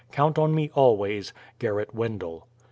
Count on me always. Gerrit Wendell."